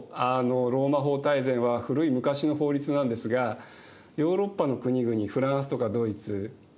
「ローマ法大全」は古い昔の法律なんですがヨーロッパの国々フランスとかドイツですね。